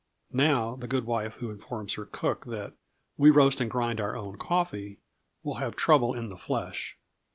Now, the good wife who informs her cook that "we roast and grind our own coffee," will have trouble in the flesh.